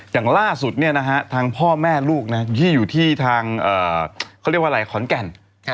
อย่างล่าสุดเนี่ยนะฮะทางพ่อแม่ลูกนะที่อยู่ที่ทางเอ่อเขาเรียกว่าอะไรขอนแก่น